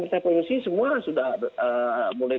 oke nah ini pemerintah provinsi semua sudah mulai datang